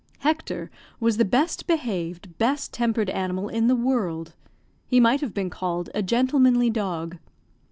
Hector was the best behaved, best tempered animal in the world; he might have been called a gentlemanly dog.